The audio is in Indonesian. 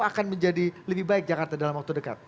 akan menjadi lebih baik jakarta dalam waktu dekat